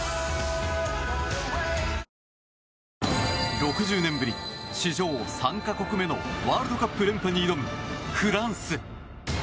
６０年ぶり、史上３か国目のワールドカップ連覇に挑むフランス。